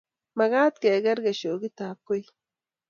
Mekat kekur keshokitab koi.